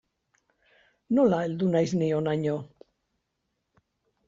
Nola heldu naiz ni honaino.